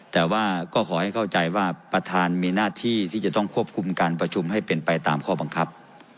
แต่ว่าก็ขอให้เข้าใจว่าประธานมีหน้าที่ที่จะต้องควบคุมการประชุมให้เป็นไปตามข้อบังคับ